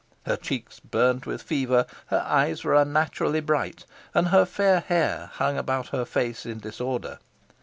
Her cheeks burnt with fever, her eyes were unnaturally bright, and her fair hair hung about her face in disorder.